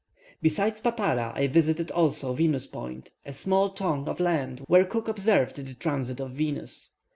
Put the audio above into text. Besides Papara, I visited also Venus Point, a small tongue of land where Cook observed the transit of Venus.